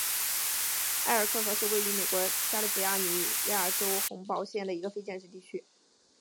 埃尔克河是位于美国加利福尼亚州洪堡县的一个非建制地区。